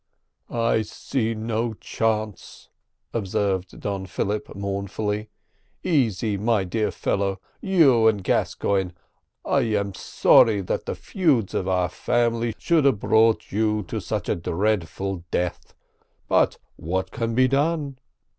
"I see no chance," observed Don Philip mournfully. "Easy, my dear fellow, and you, Gascoigne, I am sorry that the feuds of our family should have brought you to such a dreadful death; but what can be done?"